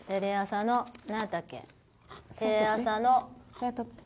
それ取って。